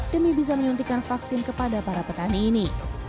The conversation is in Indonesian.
demi bisa menyuntikan vaksin kepada para petani ini